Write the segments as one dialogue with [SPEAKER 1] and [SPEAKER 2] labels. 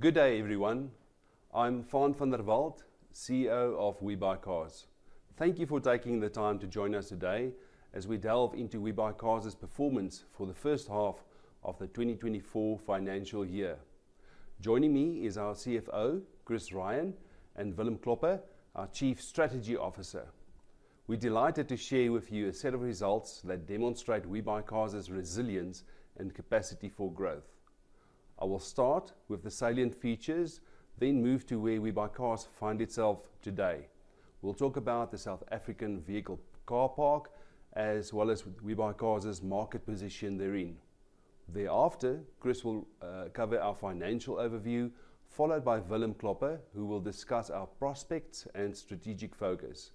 [SPEAKER 1] Good day everyone. I'm Faan van der Walt, CEO of We Buy Cars. Thank you for taking the time to join us today as we delve into We Buy Cars' performance for the first half of the 2024 financial year. Joining me is our CFO, Chris Rein, and Willem Klopper, our Chief Strategy Officer. We're delighted to share with you a set of results that demonstrate We Buy Cars' resilience and capacity for growth. I will start with the salient features, then move to where We Buy Cars finds itself today. We'll talk about the South African vehicle car park, as well as We Buy Cars' market position therein. Thereafter, Chris will cover our financial overview, followed by Willem Klopper, who will discuss our prospects and strategic focus.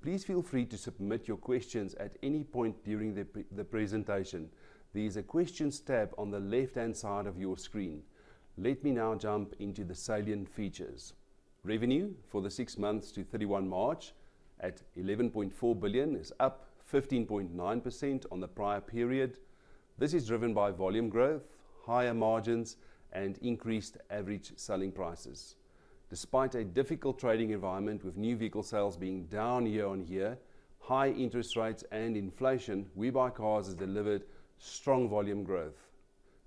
[SPEAKER 1] Please feel free to submit your questions at any point during the presentation. There is a Questions tab on the left-hand side of your screen. Let me now jump into the salient features. Revenue for the six months to 31 March at 11.4 billion is up 15.9% on the prior period. This is driven by volume growth, higher margins, and increased average selling prices. Despite a difficult trading environment with new vehicle sales being down year-over-year, high interest rates, and inflation, We Buy Cars has delivered strong volume growth.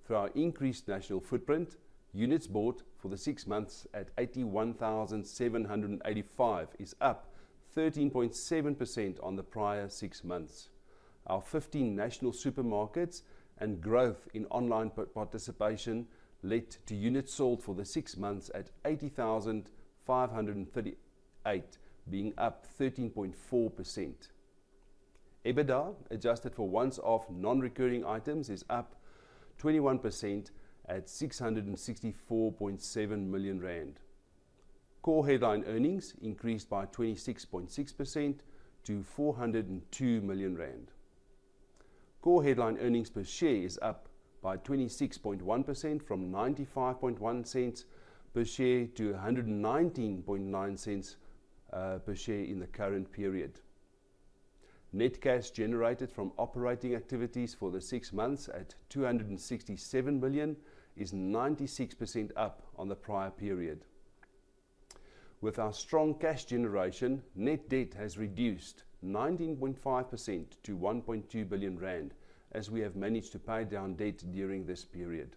[SPEAKER 1] Through our increased national footprint, units bought for the six months 81,785 is up 13.7% on the prior six months. Our 15 national supermarkets and growth in online participation led to units sold for the six months 80,538, being up 13.4%. EBITDA, adjusted for once-off non-recurring items, is up 21% at 664.7 million rand. Core headline earnings increased by 26.6% to 402 million rand. Core headline earnings per share is up by 26.1% from 0.951 per share to 1.199 per share in the current period. Net cash generated from operating activities for the six months at 267 million is 96% up on the prior period. With our strong cash generation, net debt has reduced 19.5% to 1.2 billion rand, as we have managed to pay down debt during this period.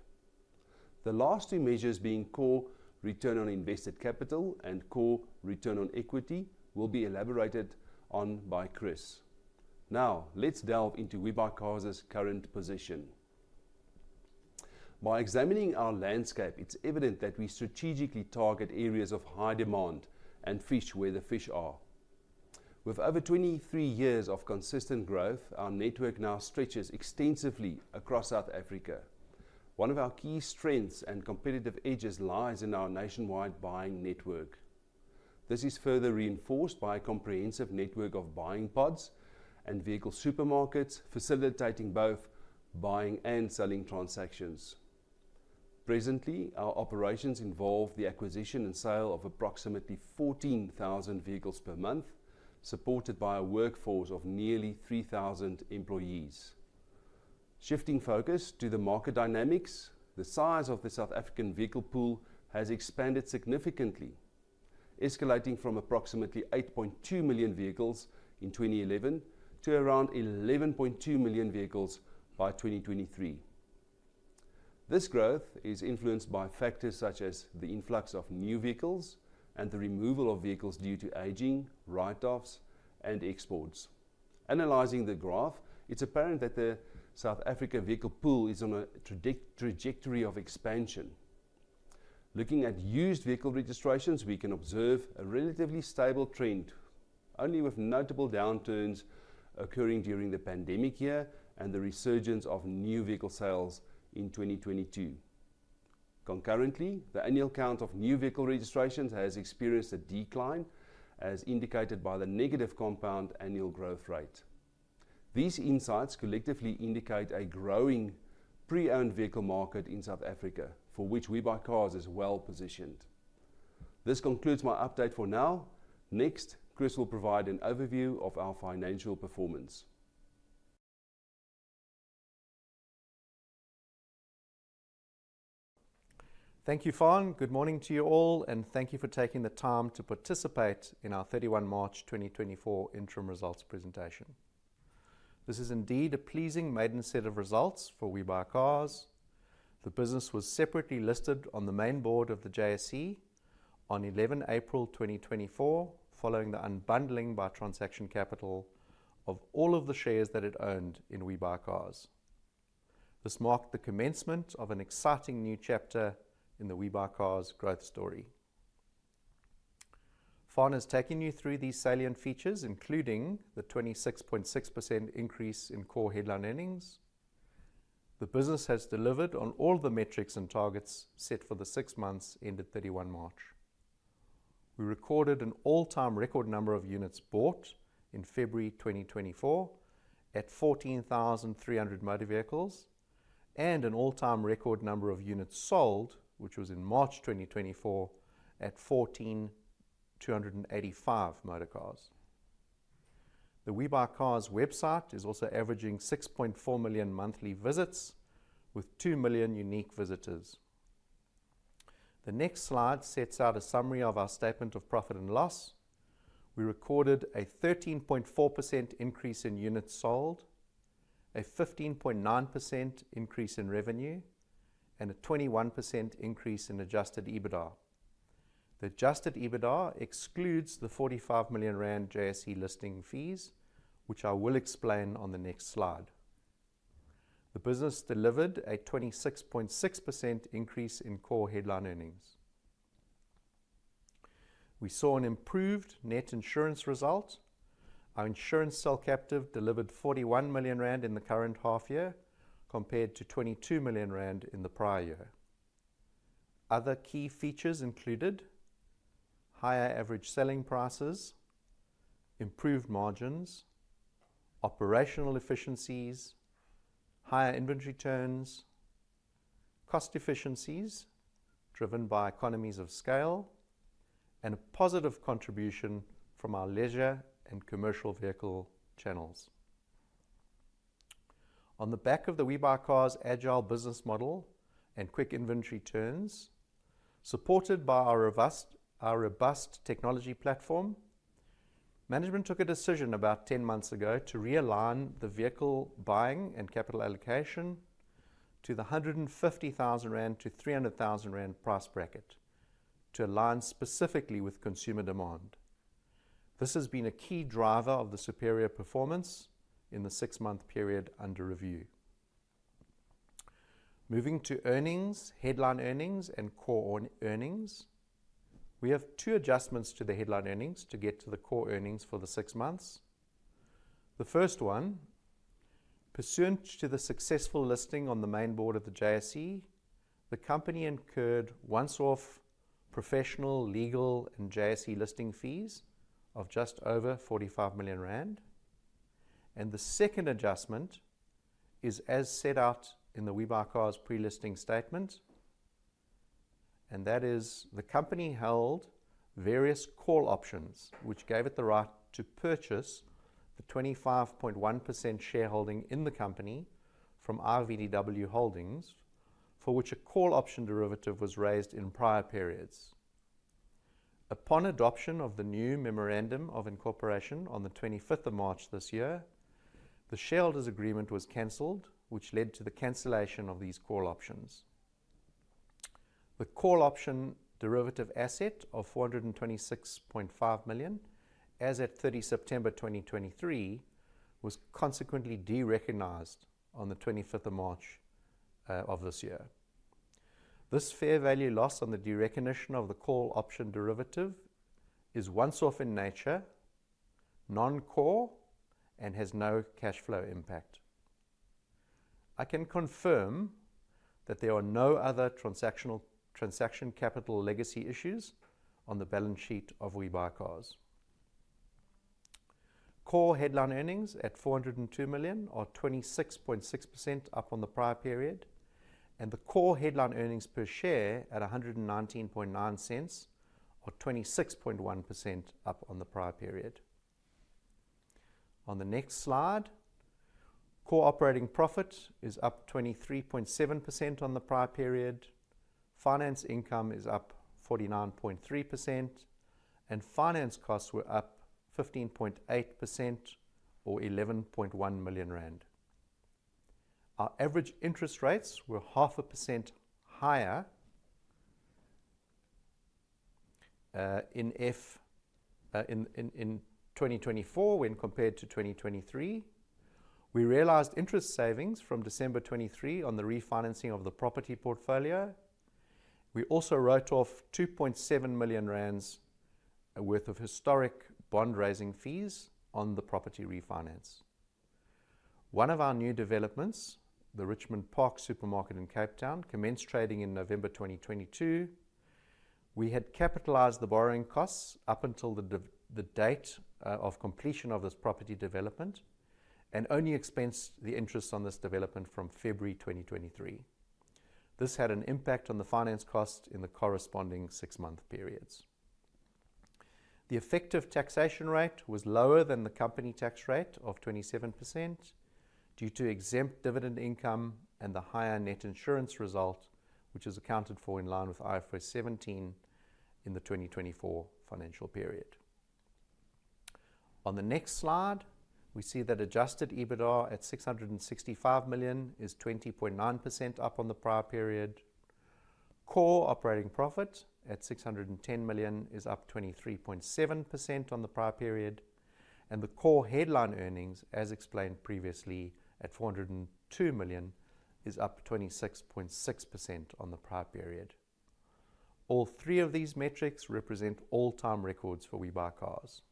[SPEAKER 1] The last two measures, being core return on invested capital and core return on equity, will be elaborated on by Chris. Now, let's delve into We Buy Cars' current position. By examining our landscape, it's evident that we strategically target areas of high demand and fish where the fish are. With over 23 years of consistent growth, our network now stretches extensively across South Africa. One of our key strengths and competitive edges lies in our nationwide buying network. This is further reinforced by a comprehensive network of buying pods and vehicle supermarkets, facilitating both buying and selling transactions. Presently, our operations involve the acquisition and sale of approximately 14,000 vehicles per month, supported by a workforce of nearly 3,000 employees. Shifting focus to the market dynamics, the size of the South African vehicle pool has expanded significantly, escalating from approximately 8.2 million vehicles in 2011 to around 11.2 million vehicles by 2023. This growth is influenced by factors such as the influx of new vehicles and the removal of vehicles due to aging, write-offs, and exports. Analyzing the graph, it's apparent that the South African vehicle pool is on a trajectory of expansion. Looking at used vehicle registrations, we can observe a relatively stable trend, only with notable downturns occurring during the pandemic year and the resurgence of new vehicle sales in 2022. Concurrently, the annual count of new vehicle registrations has experienced a decline, as indicated by the negative compound annual growth rate. These insights collectively indicate a growing pre-owned vehicle market in South Africa, for which We Buy Cars is well positioned. This concludes my update for now. Next, Chris will provide an overview of our financial performance.
[SPEAKER 2] Thank you, Faan. Good morning to you all, and thank you for taking the time to participate in our 31 March 2024 interim results presentation. This is indeed a pleasing maiden set of results for We Buy Cars. The business was separately listed on the main board of the JSE on 11 April 2024, following the unbundling by Transaction Capital of all of the shares that it owned in We Buy Cars. This marked the commencement of an exciting new chapter in the We Buy Cars growth story. Faan has taken you through these salient features, including the 26.6% increase in core headline earnings. The business has delivered on all the metrics and targets set for the six months ended 31 March. We recorded an all-time record number of units bought in February 2024 at 14,300 motor vehicles and an all-time record number of units sold, which was in March 2024 at 14,285 motor cars. The We Buy Cars website is also averaging 6.4 million monthly visits, with 2 million unique visitors. The next slide sets out a summary of our statement of profit and loss. We recorded a 13.4% increase in units sold, a 15.9% increase in revenue, and a 21% increase in adjusted EBITDA. The adjusted EBITDA excludes the 45 million rand JSE listing fees, which I will explain on the next slide. The business delivered a 26.6% increase in core headline earnings. We saw an improved net insurance result. Our insurance cell captive delivered 41 million rand in the current half year, compared to 22 million rand in the prior year. Other key features included higher average selling prices, improved margins, operational efficiencies, higher inventory turns, cost efficiencies driven by economies of scale, and a positive contribution from our leisure and commercial vehicle channels. On the back of the We Buy Cars agile business model and quick inventory turns, supported by our robust technology platform, management took a decision about 10 months ago to realign the vehicle buying and capital allocation to the 150,000 rand to 300,000 price bracket to align specifically with consumer demand. This has been a key driver of the superior performance in the six-month period under review. Moving to headline earnings and core earnings, we have two adjustments to the headline earnings to get to the core earnings for the six months. The first one, pursuant to the successful listing on the main board of the JSE, the company incurred once-off professional, legal, and JSE listing fees of just over 45 million rand. The second adjustment is as set out in the We Buy Cars pre-listing statement, and that is the company held various call options, which gave it the right to purchase the 25.1% shareholding in the company from RVDW Holdings, for which a call option derivative was raised in prior periods. Upon adoption of the new memorandum of incorporation on the 25th of March this year, the shareholders' agreement was cancelled, which led to the cancellation of these call options. The call option derivative asset of 426.5 million, as at 30 September 2023, was consequently de-recognized on the 25th of March of this year. This fair value loss on the derecognition of the call option derivative is once-off in nature, non-core, and has no cash flow impact. I can confirm that there are no other Transaction Capital legacy issues on the balance sheet of We Buy Cars. Core headline earnings at 402 million are 26.6% up on the prior period, and the core headline earnings per share at 1.199 are 26.1% up on the prior period. On the next slide, core operating profit is up 23.7% on the prior period, finance income is up 49.3%, and finance costs were up 15.8% or 11.1 million rand. Our average interest rates were 0.5% higher in 2024 when compared to 2023. We realized interest savings from December 2023 on the refinancing of the property portfolio. We also wrote off 2.7 million rand worth of historic bond-raising fees on the property refinance. One of our new developments, the Richmond Park Supermarket in Cape Town, commenced trading in November 2022. We had capitalized the borrowing costs up until the date of completion of this property development and only expensed the interest on this development from February 2023. This had an impact on the finance cost in the corresponding six-month periods. The effective taxation rate was lower than the company tax rate of 27% due to exempt dividend income and the higher net insurance result, which is accounted for in line with IFRS 17 in the 2024 financial period. On the next slide, we see that adjusted EBITDA at 665 million is 20.9% up on the prior period. Core operating profit at 610 million is up 23.7% on the prior period, and the core headline earnings, as explained previously, at 402 million is up 26.6% on the prior period. All three of these metrics represent all-time records for We Buy Cars.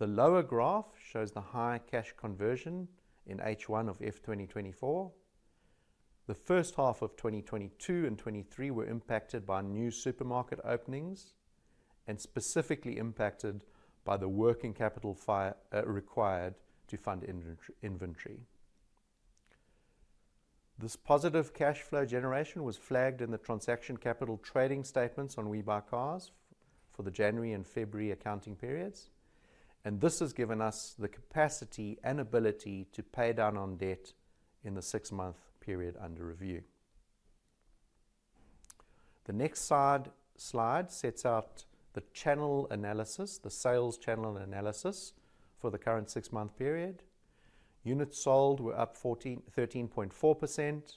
[SPEAKER 2] The lower graph shows the high cash conversion in H1 of F2024. The first half of 2022 and 2023 were impacted by new supermarket openings and specifically impacted by the working capital required to fund inventory. This positive cash flow generation was flagged in the Transaction Capital trading statements on We Buy Cars for the January and February accounting periods, and this has given us the capacity and ability to pay down on debt in the six-month period under review. The next slide sets out the sales channel analysis for the current six-month period. Units sold were up 13.4%.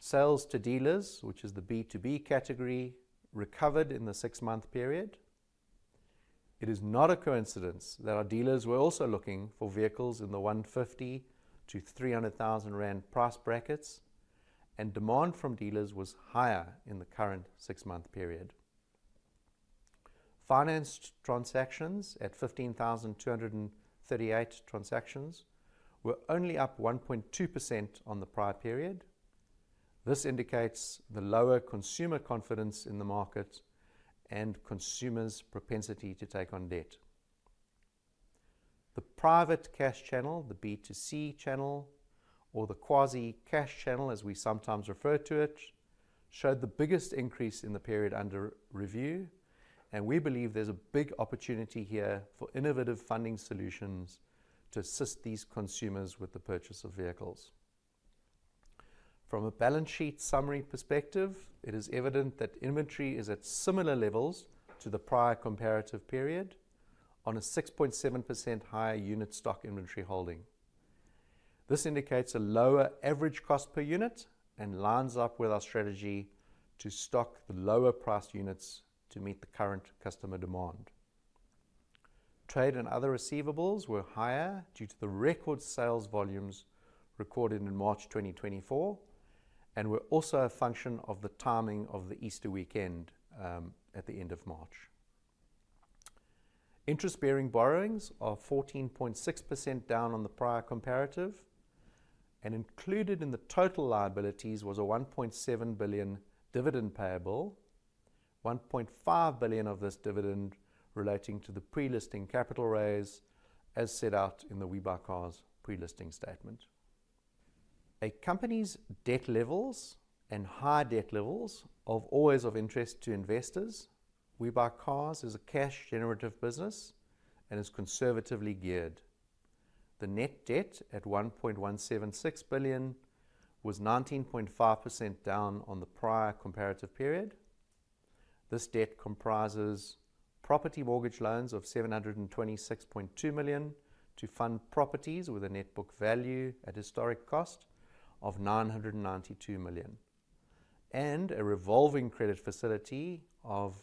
[SPEAKER 2] Sales to dealers, which is the B2B category, recovered in the six-month period. It is not a coincidence that our dealers were also looking for vehicles in the 150,000 to 300,000 price brackets, and demand from dealers was higher in the current six-month period. Financed transactions at 15,238 transactions were only up 1.2% on the prior period. This indicates the lower consumer confidence in the market and consumers' propensity to take on debt. The private cash channel, the B2C channel, or the quasi-cash channel, as we sometimes refer to it, showed the biggest increase in the period under review, and we believe there's a big opportunity here for innovative funding solutions to assist these consumers with the purchase of vehicles. From a balance sheet summary perspective, it is evident that inventory is at similar levels to the prior comparative period on a 6.7% higher unit stock inventory holding. This indicates a lower average cost per unit and lines up with our strategy to stock the lower-priced units to meet the current customer demand. Trade and other receivables were higher due to the record sales volumes recorded in March 2024 and were also a function of the timing of the Easter weekend at the end of March. Interest-bearing borrowings are 14.6% down on the prior comparative, and included in the total liabilities was a 1.7 billion dividend payable, 1.5 billion of this dividend relating to the pre-listing capital raise, as set out in the We Buy Cars pre-listing statement. A company's debt levels and high debt levels are always of interest to investors. We Buy Cars is a cash-generative business and is conservatively geared. The net debt at 1.176 billion was 19.5% down on the prior comparative period. This debt comprises property mortgage loans of 726.2 million to fund properties with a net book value at historic cost of 992 million, and a revolving credit facility of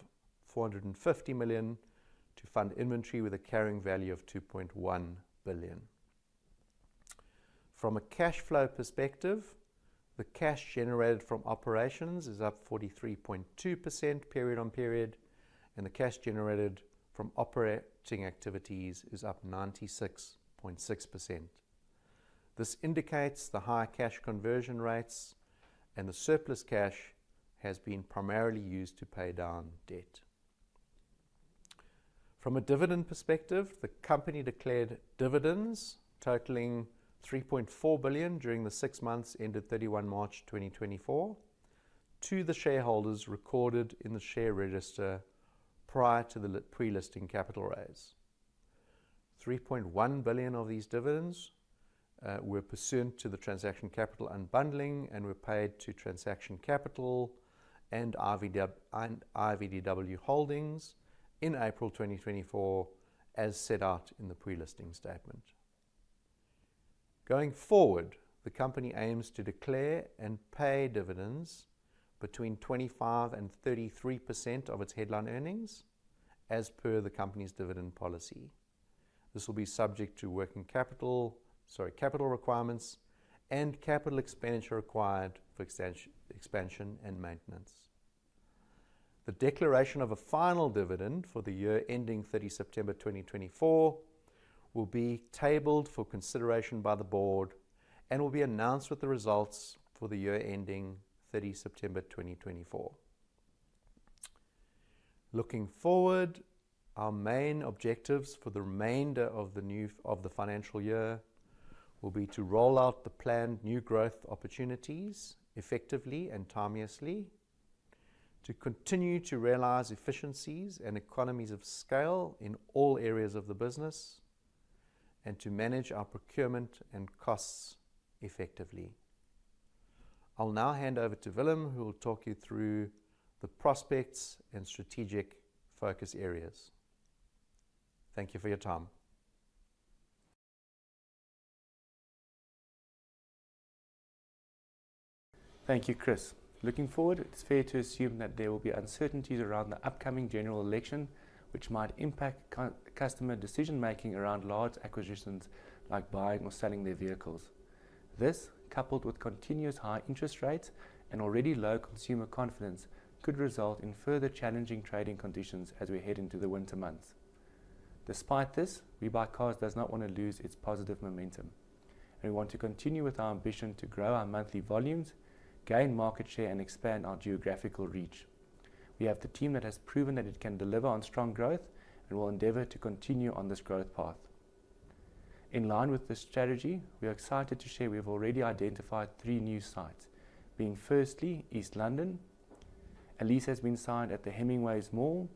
[SPEAKER 2] 450 million to fund inventory with a carrying value of 2.1 billion. From a cash flow perspective, the cash generated from operations is up 43.2% period on period, and the cash generated from operating activities is up 96.6%. This indicates the high cash conversion rates, and the surplus cash has been primarily used to pay down debt. From a dividend perspective, the company declared dividends totaling 3.4 billion during the six months ended 31 March 2024 to the shareholders recorded in the share register prior to the pre-listing capital raise. 3.1 billion of these dividends were pursuant to the Transaction Capital unbundling and were paid to Transaction Capital and RVDW Holdings in April 2024, as set out in the pre-listing statement. Going forward, the company aims to declare and pay dividends between 25% to 33% of its headline earnings as per the company's dividend policy. This will be subject to working capital requirements and capital expenditure required for expansion and maintenance. The declaration of a final dividend for the year ending 30 September 2024 will be tabled for consideration by the board and will be announced with the results for the year ending 30 September 2024. Looking forward, our main objectives for the remainder of the financial year will be to roll out the planned new growth opportunities effectively and timelessly, to continue to realize efficiencies and economies of scale in all areas of the business, and to manage our procurement and costs effectively. I'll now hand over to Willem, who will talk you through the prospects and strategic focus areas. Thank you for your time.
[SPEAKER 3] Thank you, Chris. Looking forward, it's fair to assume that there will be uncertainties around the upcoming general election, which might impact customer decision-making around large acquisitions like buying or selling their vehicles. This, coupled with continuous high interest rates and already low consumer confidence, could result in further challenging trading conditions as we head into the winter months. Despite this, We Buy Cars does not want to lose its positive momentum, and we want to continue with our ambition to grow our monthly volumes, gain market share, and expand our geographical reach. We have the team that has proven that it can deliver on strong growth and will endeavor to continue on this growth path. In line with this strategy, we are excited to share we have already identified three new sites, being firstly East London. A lease has been signed at the Hemingways Mall.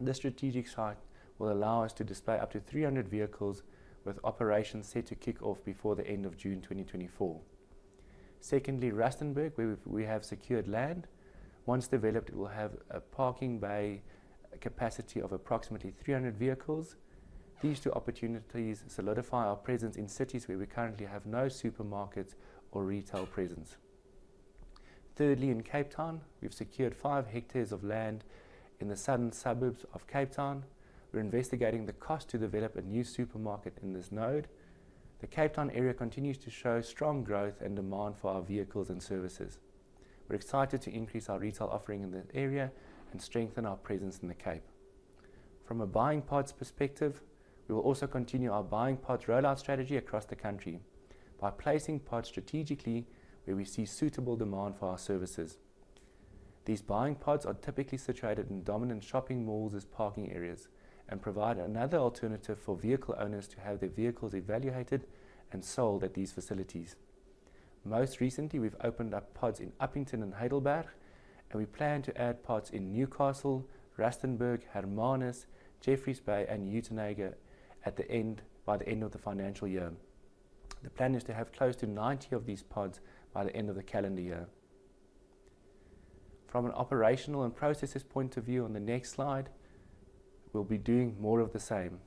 [SPEAKER 3] This strategic site will allow us to display up to 300 vehicles with operations set to kick off before the end of June 2024. Secondly, Rustenburg, where we have secured land. Once developed, it will have a parking bay capacity of approximately 300 vehicles. These two opportunities solidify our presence in cities where we currently have no supermarkets or retail presence. Thirdly, in Cape Town, we've secured five hectares of land in the Southern Suburbs of Cape Town. We're investigating the cost to develop a new supermarket in this node. The Cape Town area continues to show strong growth and demand for our vehicles and services. We're excited to increase our retail offering in this area and strengthen our presence in the Cape. From a Buying Pods perspective, we will also continue our Buying Pods rollout strategy across the country by placing pods strategically where we see suitable demand for our services. These Buying Pods are typically situated in dominant shopping malls as parking areas and provide another alternative for vehicle owners to have their vehicles evaluated and sold at these facilities. Most recently, we've opened up pods in Upington and Heidelberg, and we plan to add pods in Newcastle, Rustenburg, Hermanus, Jeffreys Bay, and Uitenhage by the end of the financial year. The plan is to have close to 90 of these pods by the end of the calendar year. From an operational and processes point of view on the next slide, we'll be doing more of the same.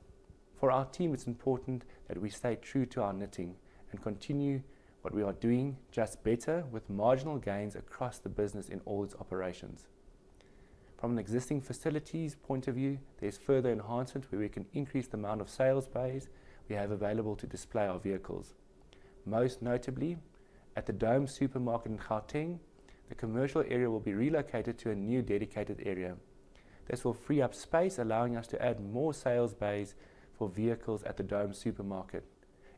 [SPEAKER 3] For our team, it's important that we stay true to our knitting and continue what we are doing just better with marginal gains across the business in all its operations. From an existing facilities point of view, there's further enhancement where we can increase the amount of sales bays we have available to display our vehicles. Most notably, at the Dome Supermarket in Gauteng, the commercial area will be relocated to a new dedicated area. This will free up space, allowing us to add more sales bays for vehicles at the Dome Supermarket.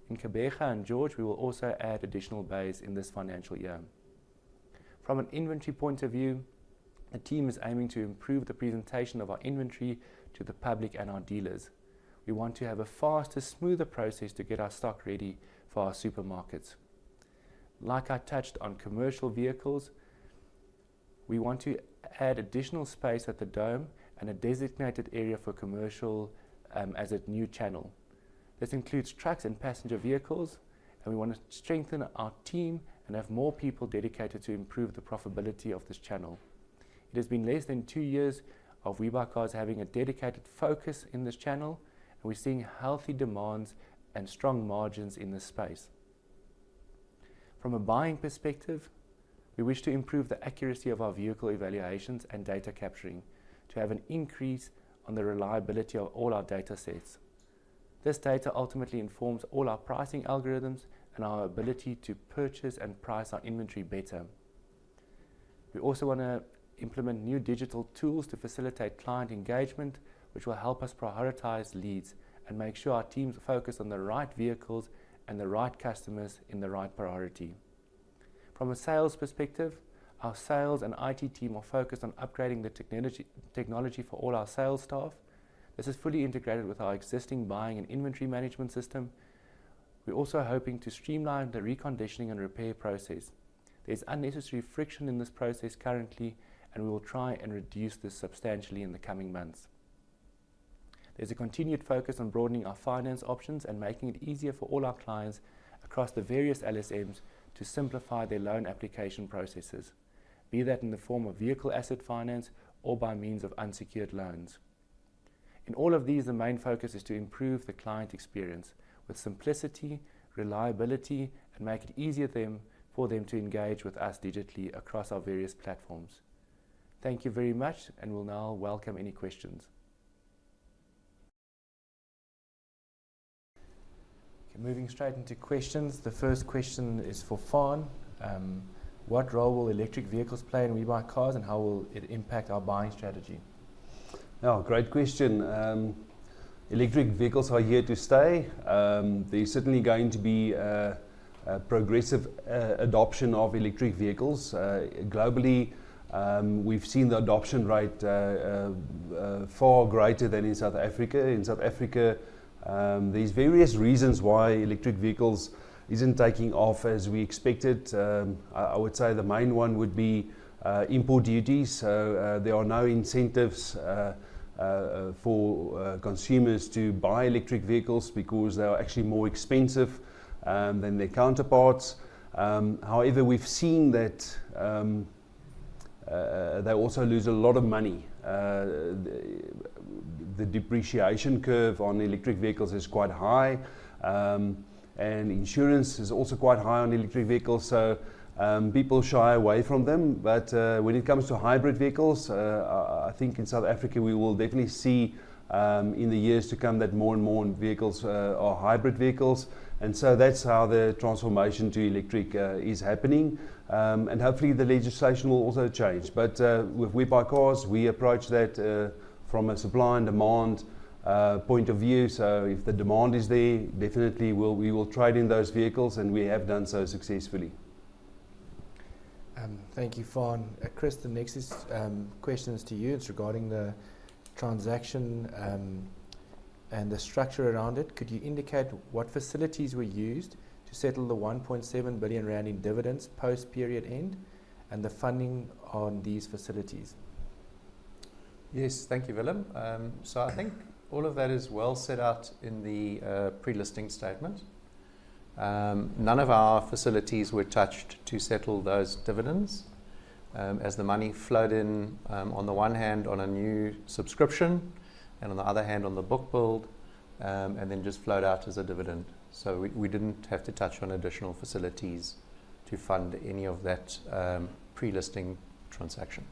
[SPEAKER 3] In Gqeberha and George, we will also add additional bays in this financial year. From an inventory point of view, the team is aiming to improve the presentation of our inventory to the public and our dealers. We want to have a faster, smoother process to get our stock ready for our supermarkets. Like I touched on commercial vehicles, we want to add additional space at the Dome and a designated area for commercial as a new channel. This includes trucks and passenger vehicles, and we want to strengthen our team and have more people dedicated to improve the profitability of this channel. It has been less than two years of We Buy Cars having a dedicated focus in this channel, and we're seeing healthy demands and strong margins in this space. From a buying perspective, we wish to improve the accuracy of our vehicle evaluations and data capturing to have an increase on the reliability of all our datasets. This data ultimately informs all our pricing algorithms and our ability to purchase and price our inventory better. We also want to implement new digital tools to facilitate client engagement, which will help us prioritize leads and make sure our teams focus on the right vehicles and the right customers in the right priority. From a sales perspective, our sales and IT team are focused on upgrading the technology for all our sales staff. This is fully integrated with our existing buying and inventory management system. We're also hoping to streamline the reconditioning and repair process. There's unnecessary friction in this process currently, and we will try and reduce this substantially in the coming months. There's a continued focus on broadening our finance options and making it easier for all our clients across the various LSMs to simplify their loan application processes, be that in the form of vehicle asset finance or by means of unsecured loans. In all of these, the main focus is to improve the client experience with simplicity, reliability, and make it easier for them to engage with us digitally across our various platforms. Thank you very much, and we'll now welcome any questions. Moving straight into questions, the first question is for Faan. What role will electric vehicles play in We Buy Cars, and how will it impact our buying strategy?
[SPEAKER 1] Oh, great question. Electric vehicles are here to stay. There's certainly going to be a progressive adoption of electric vehicles. Globally, we've seen the adoption rate far greater than in South Africa. In South Africa, there's various reasons why electric vehicles aren't taking off as we expected. I would say the main one would be import duties. There are no incentives for consumers to buy electric vehicles because they are actually more expensive than their counterparts. However, we've seen that they also lose a lot of money. The depreciation curve on electric vehicles is quite high, and insurance is also quite high on electric vehicles, so people shy away from them. But when it comes to hybrid vehicles, I think in South Africa we will definitely see in the years to come that more and more vehicles are hybrid vehicles. And so that's how the transformation to electric is happening. And hopefully, the legislation will also change. But with We Buy Cars, we approach that from a supply and demand point of view. So if the demand is there, definitely we will trade in those vehicles, and we have done so successfully. Thank you, Faan.
[SPEAKER 3] Chris, the next question is to you. It's regarding the transaction and the structure around it. Could you indicate what facilities were used to settle the 1.7 billion rand round in dividends post-period end and the funding on these facilities?
[SPEAKER 2] Yes, thank you, Willem. So I think all of that is well set out in the pre-listing statement. None of our facilities were touched to settle those dividends as the money flowed in on the one hand on a new subscription and on the other hand on the book build and then just flowed out as a dividend. So we didn't have to touch on additional facilities to fund any of that pre-listing transaction.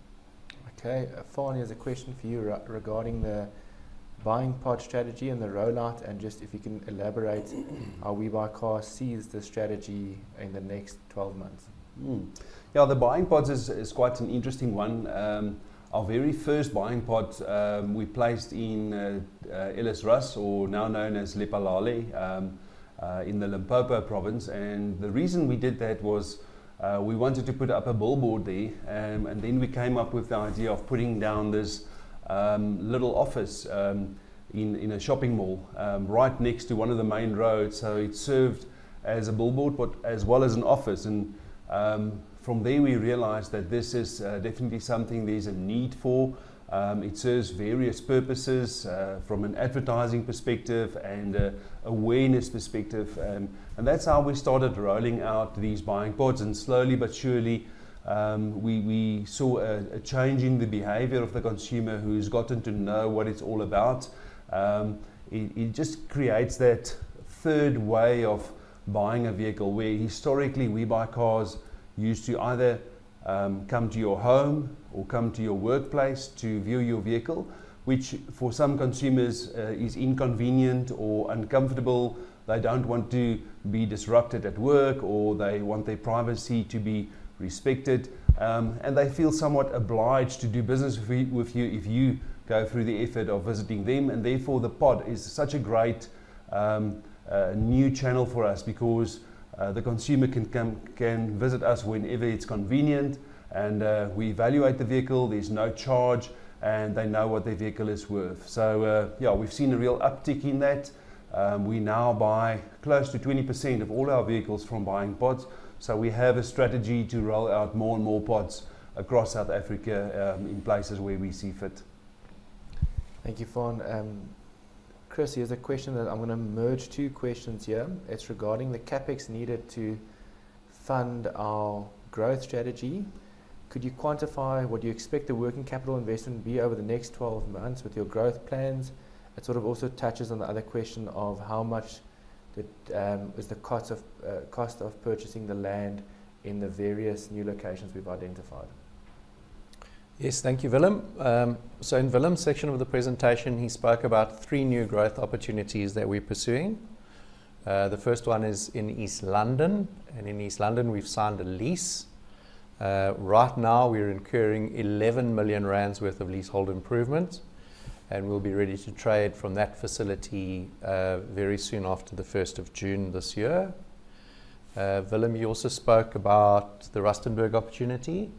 [SPEAKER 3] Okay. Faan, here's a question for you regarding the buying pod strategy and the rollout. Just if you can elaborate, how We Buy Cars sees the strategy in the next 12 months.
[SPEAKER 1] Yeah, the buying pods is quite an interesting one. Our very first buying pod, we placed in Ellisras, or now known as Lephalale, in the Limpopo province. The reason we did that was we wanted to put up a billboard there, and then we came up with the idea of putting down this little office in a shopping mall right next to one of the main roads. It served as a billboard as well as an office. From there, we realized that this is definitely something there's a need for. It serves various purposes from an advertising perspective and awareness perspective. That's how we started rolling out these buying pods. Slowly but surely, we saw a change in the behavior of the consumer who's gotten to know what it's all about. It just creates that third way of buying a vehicle where historically, We Buy Cars used to either come to your home or come to your workplace to view your vehicle, which for some consumers is inconvenient or uncomfortable. They don't want to be disrupted at work, or they want their privacy to be respected, and they feel somewhat obliged to do business with you if you go through the effort of visiting them. And therefore, the pod is such a great new channel for us because the consumer can visit us whenever it's convenient, and we evaluate the vehicle. There's no charge, and they know what their vehicle is worth. So yeah, we've seen a real uptick in that. We now buy close to 20% of all our vehicles from buying pods. So we have a strategy to roll out more and more pods across South Africa in places where we see fit.
[SPEAKER 3] Thank you, Faan. Chris, here's a question that I'm going to merge two questions here. It's regarding the CapEx needed to fund our growth strategy. Could you quantify what you expect the working capital investment to be over the next 12 months with your growth plans? It sort of also touches on the other question of how much is the cost of purchasing the land in the various new locations we've identified.
[SPEAKER 2] Yes, thank you, Willem. So in Willem's section of the presentation, he spoke about three new growth opportunities that we're pursuing. The first one is in East London, and in East London, we've signed a lease. Right now, we're incurring 11 million rand worth of leasehold improvement, and we'll be ready to trade from that facility very soon after the 1 June this year. Willem, you also spoke about the Rustenburg opportunity.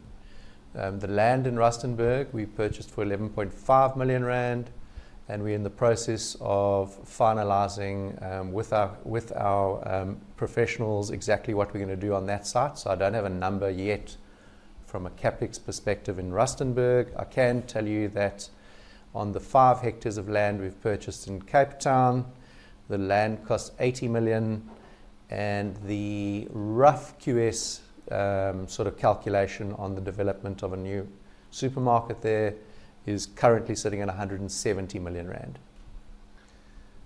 [SPEAKER 2] The land in Rustenburg, we purchased for 11.5 million rand, and we're in the process of finalising with our professionals exactly what we're going to do on that site. So I don't have a number yet from a CapEx perspective in Rustenburg. I can tell you that on the 5 hectares of land we've purchased in Cape Town, the land costs 80 million, and the rough QS sort of calculation on the development of a new supermarket there is currently sitting at 170 million rand.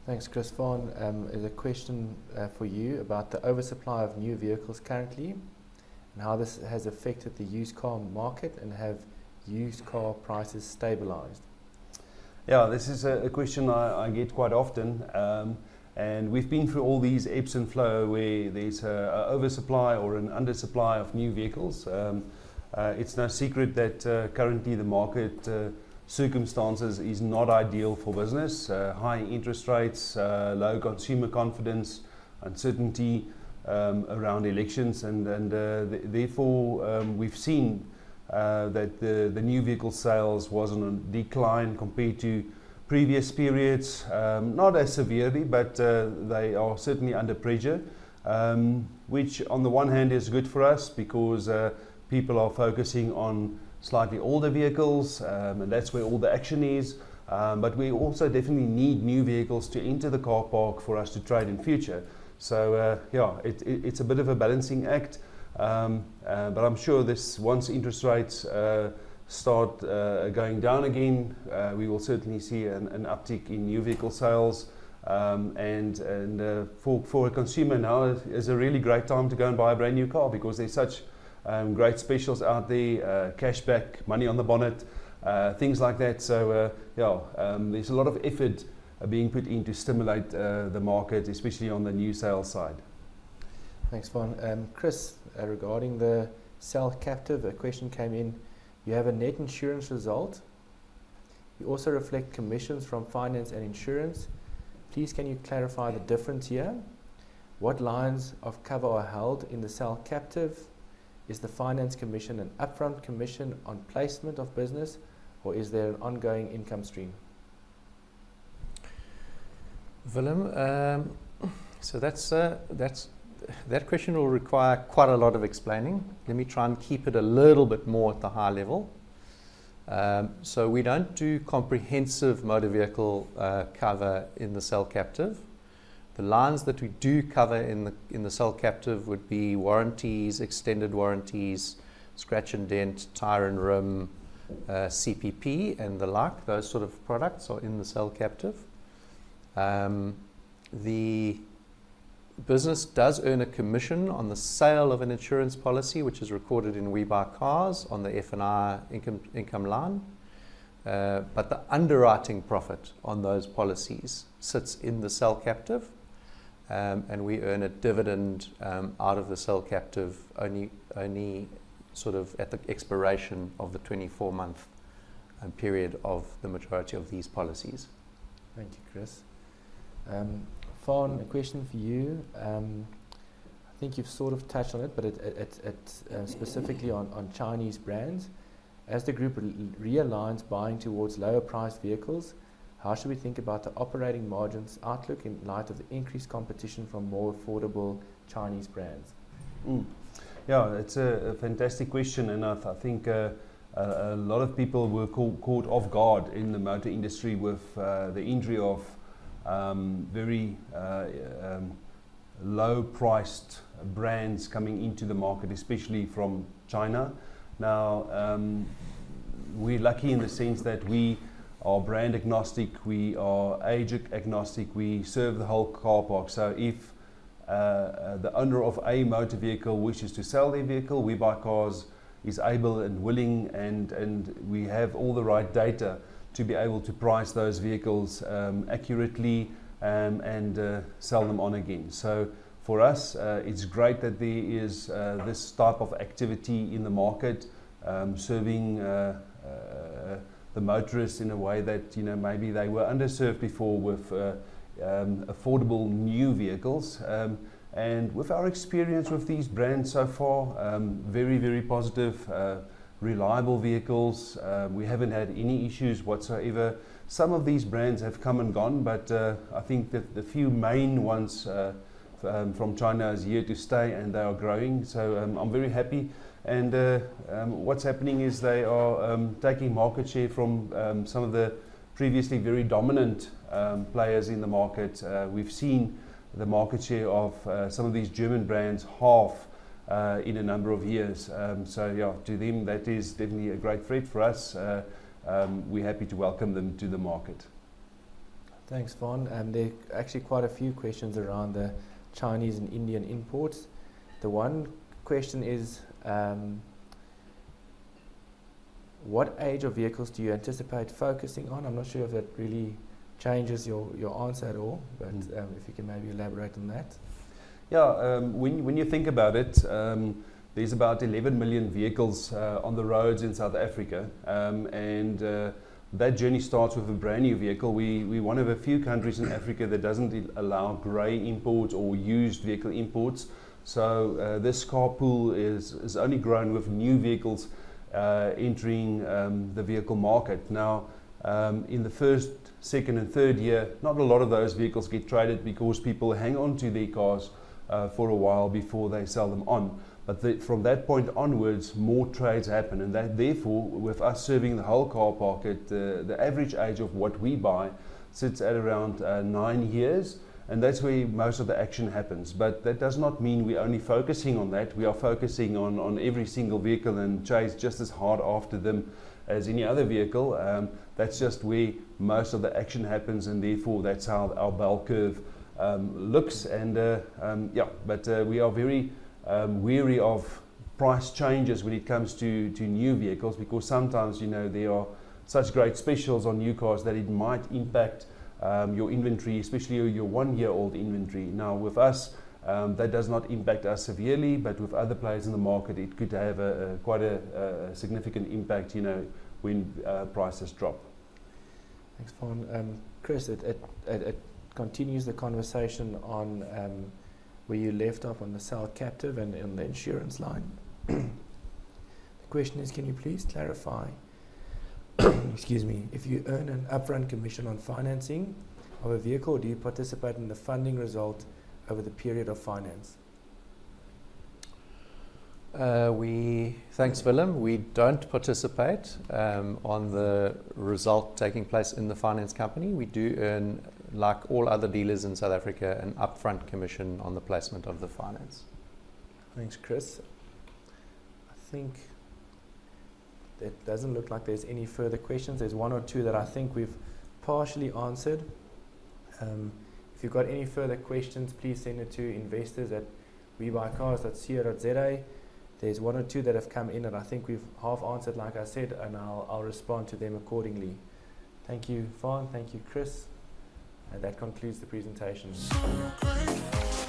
[SPEAKER 2] Thanks, Chris.
[SPEAKER 3] Faan, here's a question for you about the oversupply of new vehicles currently and how this has affected the used car market and have used car prices stabilised.
[SPEAKER 1] Yeah, this is a question I get quite often. We've been through all these ebbs and flows where there's an oversupply or an undersupply of new vehicles. It's no secret that currently the market circumstances are not ideal for business: high interest rates, low consumer confidence, uncertainty around elections. Therefore, we've seen that the new vehicle sales were on decline compared to previous periods, not as severely, but they are certainly under pressure, which on the one hand is good for us because people are focusing on slightly older vehicles, and that's where all the action is. But we also definitely need new vehicles to enter the car park for us to trade in future. So yeah, it's a bit of a balancing act. But I'm sure once interest rates start going down again, we will certainly see an uptick in new vehicle sales. And for a consumer, now is a really great time to go and buy a brand new car because there's such great specials out there: cashback, money on the bonnet, things like that. So yeah, there's a lot of effort being put in to stimulate the market, especially on the new sales side.
[SPEAKER 3] Thanks, Faan. Chris, regarding the cell captive, a question came in. You have a net insurance result. You also reflect commissions from finance and insurance. Please, can you clarify the difference here? What lines of cover are held in the cell captive? Is the finance commission an upfront commission on placement of business, or is there an ongoing income stream?
[SPEAKER 2] Willem, so that question will require quite a lot of explaining. Let me try and keep it a little bit more at the high level. So we don't do comprehensive motor vehicle cover in the cell captive. The lines that we do cover in the cell captive would be warranties, extended warranties, scratch and dent, tire and rim, CPP, and the like. Those sort of products are in the cell captive. The business does earn a commission on the sale of an insurance policy, which is recorded in We Buy Cars on the F&I income line. But the underwriting profit on those policies sits in the cell captive, and we earn a dividend out of the cell captive only sort of at the expiration of the 24-month period of the majority of these policies.
[SPEAKER 3] Thank you, Chris. Faan, a question for you. I think you've sort of touched on it, but specifically on Chinese brands. As the group realigns buying towards lower-priced vehicles, how should we think about the operating margins outlook in light of the increased competition from more affordable Chinese brands?
[SPEAKER 1] Yeah, it's a Faantastic question, and I think a lot of people were caught off guard in the motor industry with the entry of very low-priced brands coming into the market, especially from China. Now, we're lucky in the sense that we are brand agnostic. We are age agnostic. We serve the whole car park. So if the owner of a motor vehicle wishes to sell their vehicle, We Buy Cars is able and willing, and we have all the right data to be able to price those vehicles accurately and sell them on again. So for us, it's great that there is this type of activity in the market serving the motorists in a way that maybe they were underserved before with affordable new vehicles. And with our experience with these brands so far, very, very positive, reliable vehicles. We haven't had any issues whatsoever. Some of these brands have come and gone, but I think that the few main ones from China are here to stay, and they are growing. So I'm very happy. And what's happening is they are taking market share from some of the previously very dominant players in the market. We've seen the market share of some of these German brands halve in a number of years. So yeah, to them, that is definitely a great threat for us. We're happy to welcome them to the market.
[SPEAKER 3] Thanks, Faan. There are actually quite a few questions around the Chinese and Indian imports. The one question is, what age of vehicles do you anticipate focusing on? I'm not sure if that really changes your answer at all, but if you can maybe elaborate on that.
[SPEAKER 1] Yeah, when you think about it, there's about 11 million vehicles on the roads in South Africa. And that journey starts with a brand new vehicle. We're one of a few countries in Africa that doesn't allow grey imports or used vehicle imports. So this car pool has only grown with new vehicles entering the vehicle market. Now, in the first, second, and third year, not a lot of those vehicles get traded because people hang onto their cars for a while before they sell them on. But from that point onwards, more trades happen. And therefore, with us serving the whole car market, the average age of what we buy sits at around nine years, and that's where most of the action happens. But that does not mean we're only focusing on that. We are focusing on every single vehicle and chase just as hard after them as any other vehicle. That's just where most of the action happens, and therefore, that's how our bell curve looks. And yeah, but we are very wary of price changes when it comes to new vehicles because sometimes there are such great specials on new cars that it might impact your inventory, especially your one-year-old inventory. Now, with us, that does not impact us severely, but with other players in the market, it could have quite a significant impact when prices drop.
[SPEAKER 3] Thanks, Faan. Chris, it continues the conversation on where you left off on the cell captive and the insurance line. The question is, can you please clarify? Excuse me. If you earn an upfront commission on financing of a vehicle, do you participate in the funding result over the period of finance?
[SPEAKER 2] Thanks, Willem. We don't participate on the result taking place in the finance company. We do earn, like all other dealers in South Africa, an upfront commission on the placement of the finance.
[SPEAKER 3] Thanks, Chris. I think that doesn't look like there's any further questions. There's one or two that I think we've partially answered. If you've got any further questions, please send investors at webuycars.co.za. there's one or two that have come in, and I think we've half answered, like I said, and I'll respond to them accordingly. Thank you, Faan. Thank you, Chris. That concludes the presentation. So great.